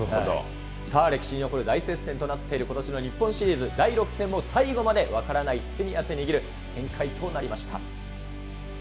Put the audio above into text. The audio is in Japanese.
さあ、歴史に残る大接戦となっていることしの日本シリーズ、第６戦も最後まで分からない、手に汗握る展開となりました。